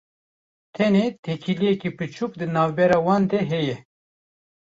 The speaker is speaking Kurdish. tenê têkiliyeke biçûk di navbera wan de heye.